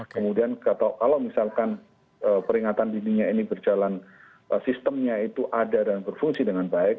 kemudian kalau misalkan peringatan dininya ini berjalan sistemnya itu ada dan berfungsi dengan baik